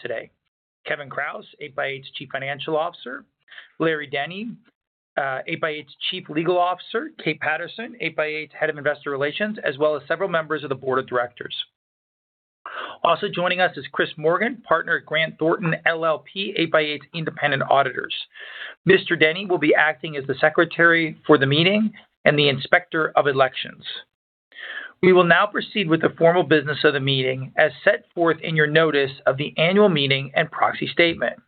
Today, Kevin Kraus, 8x8 Chief Financial Officer, Larry Denny, 8x8 Chief Legal Officer, Kate Patterson, 8x8 Head of Investor Relations, as well as several members of the board of directors. Also joining us is Chris Morgan, Partner at Grant Thornton LLP, 8x8 independent auditors. Mr. Denny will be acting as the secretary for the meeting and the inspector of elections. We will now proceed with the formal business of the meeting as set forth in your notice of the annual meeting and proxy statement.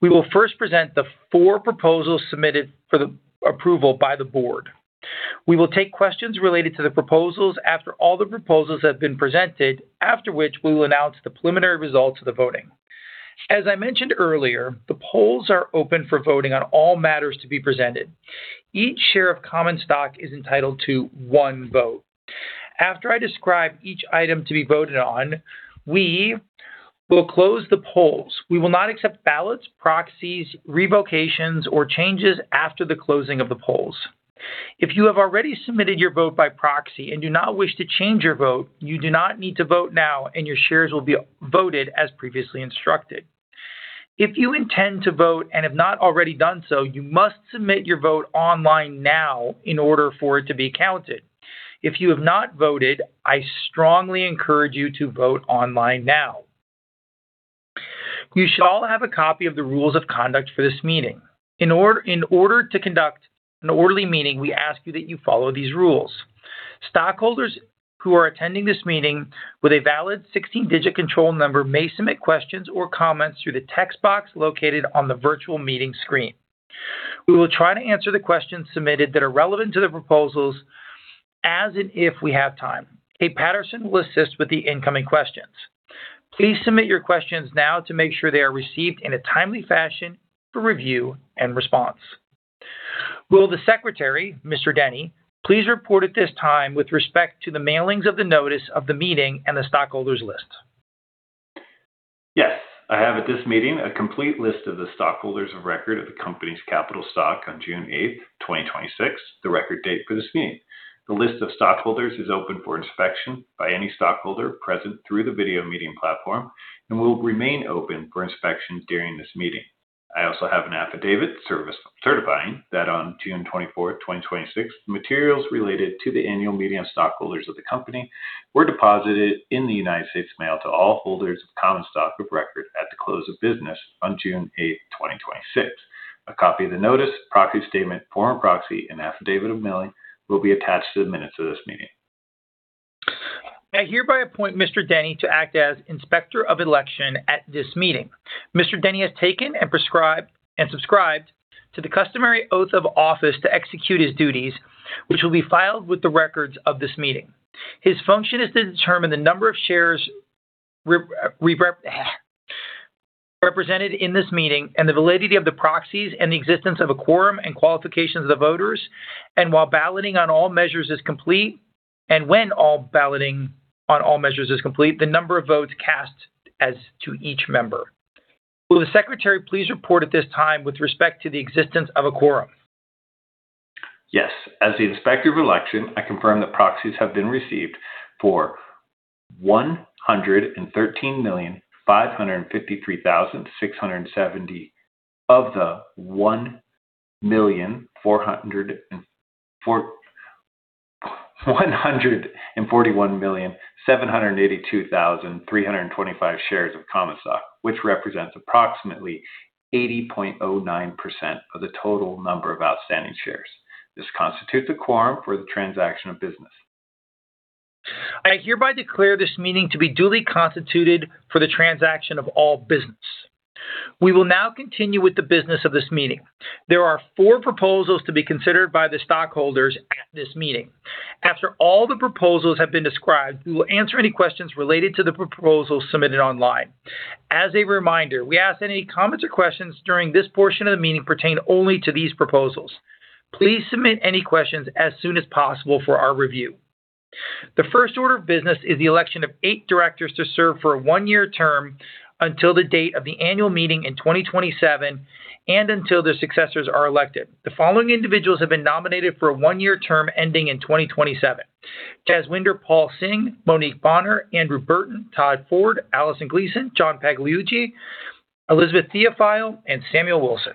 We will first present the four proposals submitted for approval by the board. We will take questions related to the proposals after all the proposals have been presented, after which we will announce the preliminary results of the voting. As I mentioned earlier, the polls are open for voting on all matters to be presented. Each share of common stock is entitled to one vote. After I describe each item to be voted on, we will close the polls. We will not accept ballots, proxies, revocations, or changes after the closing of the polls. If you have already submitted your vote by proxy and do not wish to change your vote, you do not need to vote now, and your shares will be voted as previously instructed. If you intend to vote and have not already done so, you must submit your vote online now in order for it to be counted. If you have not voted, I strongly encourage you to vote online now. You should all have a copy of the rules of conduct for this meeting. In order to conduct an orderly meeting, we ask you that you follow these rules. Stockholders who are attending this meeting with a valid 16-digit control number may submit questions or comments through the text box located on the virtual meeting screen. We will try to answer the questions submitted that are relevant to the proposals as and if we have time. Kate Patterson will assist with the incoming questions. Please submit your questions now to make sure they are received in a timely fashion for review and response. Will the secretary, Mr. Denny, please report at this time with respect to the mailings of the notice of the meeting and the stockholders list? Yes. I have at this meeting a complete list of the stockholders of record of the company's capital stock on June 8th, 2026, the record date for this meeting. The list of stockholders is open for inspection by any stockholder present through the video meeting platform and will remain open for inspection during this meeting. I also have an affidavit certifying that on June 24th, 2026, materials related to the annual meeting of stockholders of the company were deposited in the United States mail to all holders of common stock of record at the close of business on June 8th, 2026. A copy of the notice, proxy statement, form of proxy, and affidavit of mailing will be attached to the minutes of this meeting. I hereby appoint Mr. Denny to act as Inspector of Election at this meeting. Mr. Denny has taken and subscribed to the customary oath of office to execute his duties, which will be filed with the records of this meeting. His function is to determine the number of shares represented in this meeting and the validity of the proxies and the existence of a quorum and qualification of the voters, when all balloting on all measures is complete, the number of votes cast as to each member. Will the secretary please report at this time with respect to the existence of a quorum? Yes. As the Inspector of Election, I confirm that proxies have been received for 113,553,670 of the 141,782,325 shares of common stock, which represents approximately 80.09% of the total number of outstanding shares. This constitutes a quorum for the transaction of business. I hereby declare this meeting to be duly constituted for the transaction of all business. We will now continue with the business of this meeting. There are four proposals to be considered by the stockholders at this meeting. After all the proposals have been described, we will answer any questions related to the proposals submitted online. As a reminder, we ask that any comments or questions during this portion of the meeting pertain only to these proposals. Please submit any questions as soon as possible for our review. The first order of business is the election of eight directors to serve for a one-year term until the date of the annual meeting in 2027 and until their successors are elected. The following individuals have been nominated for a one-year term ending in 2027: Jaswinder Pal Singh, Monique Bonner, Andrew Burton, Todd Ford, Alison Gleeson, John Pagliuca, Elizabeth Theophille, and Samuel Wilson.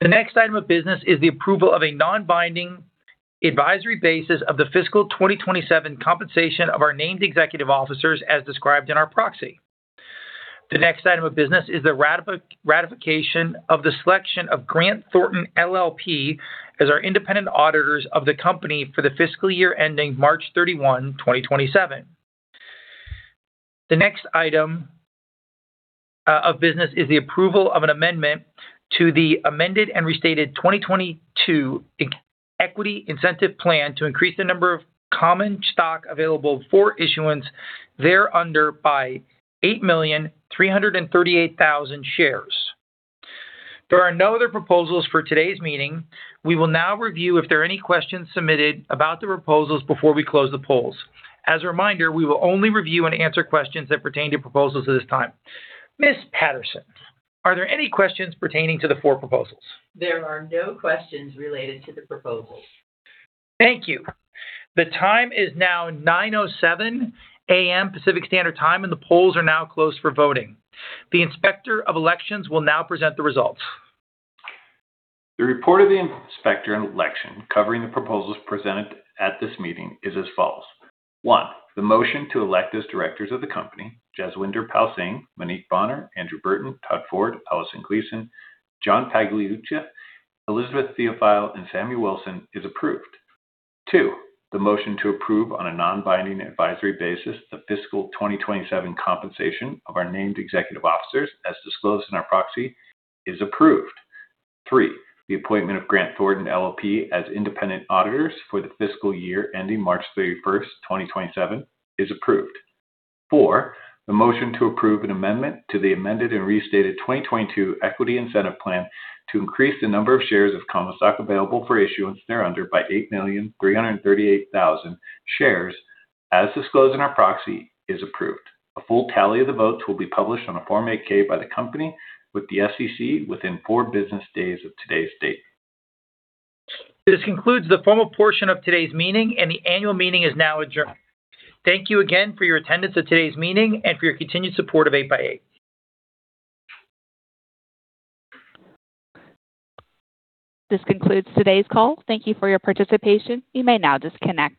The next item of business is the approval of a non-binding advisory basis of the fiscal 2027 compensation of our named executive officers as described in our proxy. The next item of business is the ratification of the selection of Grant Thornton LLP as our independent auditors of the company for the fiscal year ending March 31, 2027. The next item of business is the approval of an amendment to the amended and restated 2022 Equity Incentive Plan to increase the number of common stock available for issuance thereunder by 8,338,000 shares. There are no other proposals for today's meeting. We will now review if there are any questions submitted about the proposals before we close the polls. As a reminder, we will only review and answer questions that pertain to proposals at this time. Ms. Patterson, are there any questions pertaining to the four proposals? There are no questions related to the proposals. Thank you. The time is now 9:07 A.M. Pacific Standard Time. The polls are now closed for voting. The Inspector of Elections will now present the results. The report of the Inspector of Election covering the proposals presented at this meeting is as follows. One, the motion to elect as directors of the company, Jaswinder Pal Singh, Monique Bonner, Andrew Burton, Todd Ford, Alison Gleeson, John Pagliuca, Elizabeth Theophille, and Samuel Wilson, is approved. Two, the motion to approve on a non-binding advisory basis the fiscal 2027 compensation of our named executive officers, as disclosed in our proxy, is approved. Three, the appointment of Grant Thornton LLP as independent auditors for the fiscal year ending March 31st, 2027, is approved. Four, the motion to approve an amendment to the amended and restated 2022 Equity Incentive Plan to increase the number of shares of common stock available for issuance thereunder by 8,338,000 shares, as disclosed in our proxy, is approved. A full tally of the votes will be published on a Form 8-K by the company with the SEC within four business days of today's date. This concludes the formal portion of today's meeting, and the annual meeting is now adjourned. Thank you again for your attendance at today's meeting and for your continued support of 8x8. This concludes today's call. Thank you for your participation. You may now disconnect.